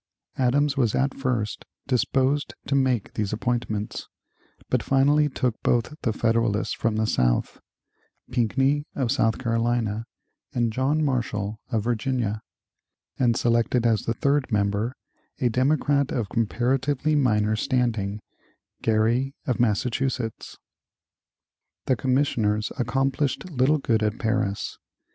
Adams was at first disposed to make these appointments, but finally took both the Federalists from the South, Pinckney of South Carolina and John Marshall of Virginia, and selected as the third member a Democrat of comparatively minor standing, Gerry of Massachusetts. The commissioners accomplished little good at Paris.